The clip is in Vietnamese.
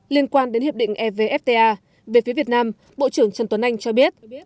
liên quan đến hiệp định evfta về phía việt nam bộ trưởng trần tuấn anh cho biết